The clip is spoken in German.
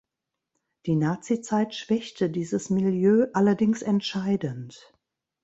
Die Nazizeit schwächte dieses Milieu allerdings entscheidend.